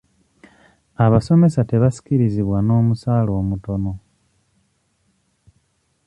Abasomesa tebasikirizibwa n'omusaala omutono.